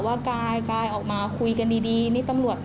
ว่ากายออกมาคุยกันดีนี่ตำรวจ